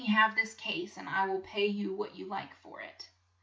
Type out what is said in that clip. have this case and I will pay you what you like for it."